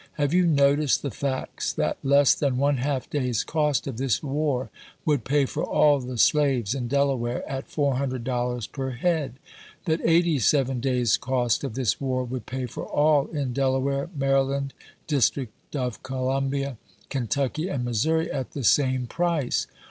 Have you noticed the facts that less than one half day's cost of this war would pay for all the slaves in Delaware, at $400 per head? — that eighty seven days' cost of this war would pay for all in Delaware, Maryland, District of Columbia, Kentucky, and Missouri at the same price